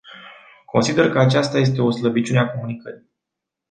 Consider că aceasta este o slăbiciune a comunicării.